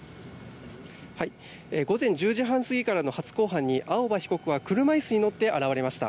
午前１０時半過ぎからの初公判に青葉被告は車椅子に乗って現れました。